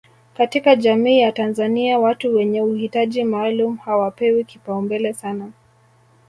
katika jamii ya Tanzania watu wenye uhitaji maalum hawapewi kipaumbele sana